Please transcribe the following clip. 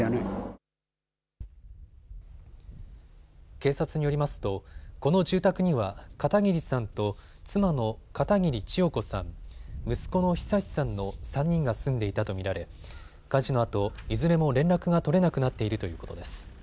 警察によりますとこの住宅には片桐さんと妻の片桐千代子さん、息子の久さんの３人が住んでいたと見られ火事のあといずれも連絡が取れなくなっているということです。